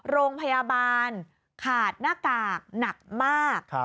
โรงพยาบาลขาดหน้ากากหนักมาก